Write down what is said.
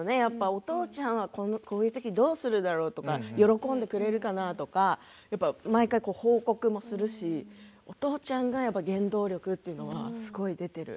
お父ちゃんはこういう時どうするだろうとか喜んでくれるかなとか毎回、報告もするしお父ちゃんがやっぱり原動力というのはすごい出ている。